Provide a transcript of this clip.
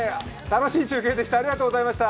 楽しい中継でした。